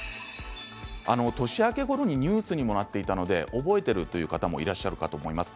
年明けごろにニュースにもなっていたので覚えているという方もいらっしゃると思います。